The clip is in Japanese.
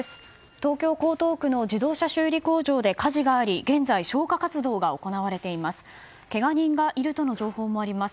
東京・江東区の自動車修理工場で火事があり現在、消火活動が行われています。